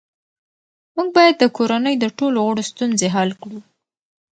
موږ باید د کورنۍ د ټولو غړو ستونزې حل کړو